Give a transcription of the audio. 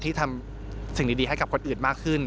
ที่ทำสิ่งดีให้กับคนอื่นมากขึ้น